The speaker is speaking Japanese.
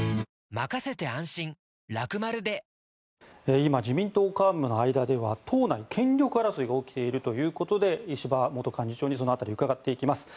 今、自民党幹部の間では党内権力争いが起きているということで石破元幹事長にその辺りを伺っていきます。